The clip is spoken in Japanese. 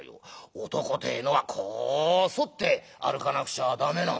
男てえのはこう反って歩かなくちゃダメなんだ。